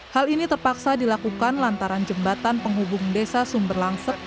hal ini terpaksa dilakukan lantaran jembatan penghubung desa sumberlangsek